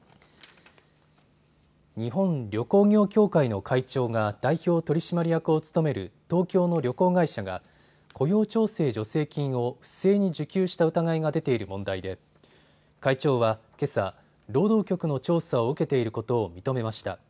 日本旅行業協会の会長が代表取締役を務める東京の旅行会社が雇用調整助成金を不正に受給した疑いが出ている問題で会長はけさ、労働局の調査を受けていることを認めました。